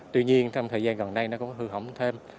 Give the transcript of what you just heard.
tuy nhiên trong thời gian gần đây nó cũng hư hỏng thêm